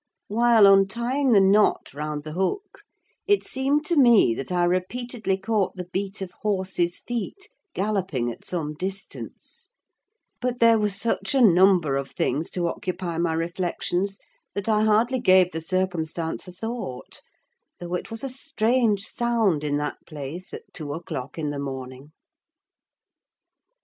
While untying the knot round the hook, it seemed to me that I repeatedly caught the beat of horses' feet galloping at some distance; but there were such a number of things to occupy my reflections that I hardly gave the circumstance a thought: though it was a strange sound, in that place, at two o'clock in the morning.